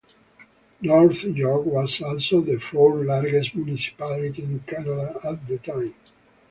North York was also the fourth largest municipality in Canada at the time.